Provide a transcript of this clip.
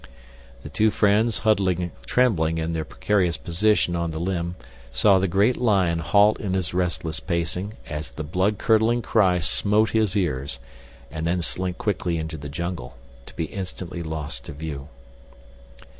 The two friends, huddled trembling in their precarious position on the limb, saw the great lion halt in his restless pacing as the blood curdling cry smote his ears, and then slink quickly into the jungle, to be instantly lost to view.